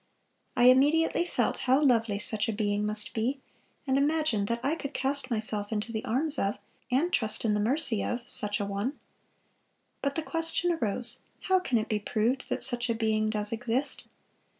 I immediately felt how lovely such a being must be, and imagined that I could cast myself into the arms of, and trust in the mercy of, such a one. But the question arose, How can it be proved that such a being does exist?